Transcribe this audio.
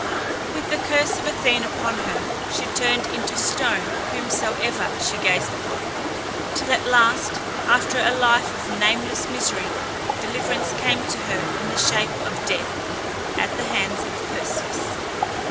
With the curse of Athene upon her, she turned into stone whomsoever she gazed upon, till at last, after a life of nameless misery, deliverance came to her in the shape of death, at the hands of Perseus.